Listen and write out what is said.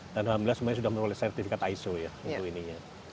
dan alhamdulillah sebenarnya sudah menggunakan sertifikat iso ya untuk ininya